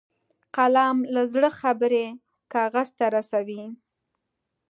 قلم له زړه خبرې کاغذ ته رسوي